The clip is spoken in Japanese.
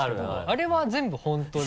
あれは全部本当で。